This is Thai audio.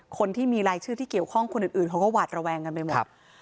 คนที่มีรายชื่อที่เกี่ยวข้องคนอื่นเขาก็หวาดระแวงกันไปหมด